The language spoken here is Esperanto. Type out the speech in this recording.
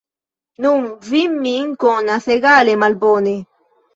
Nun, vi min konas egale malbone.